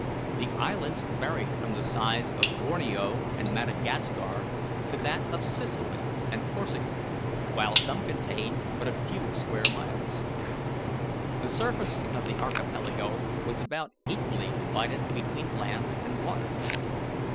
The islands varied from the size of Borneo and Madagascar to that of Sicily and Corsica, while some contained but a few square miles. The surface of the archipelago was about equally divided between land and water.